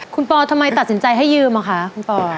คุณปอทำไมตัดสินใจให้ยืมอ่ะคะคุณปอ